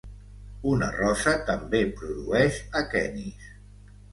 Una rosa també produeix aquenis.